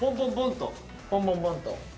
ポンポンポンと。